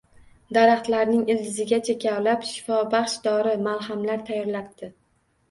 Daraxtlarning ildizlarigacha kavlab, shifobaxsh dori, malhamlar tayyorlabdi